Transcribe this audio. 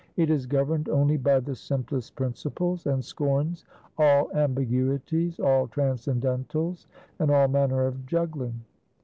It is governed only by the simplest principles, and scorns all ambiguities, all transcendentals, and all manner of juggling.